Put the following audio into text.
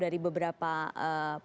dari beberapa perhitungan